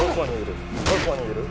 どこにいる？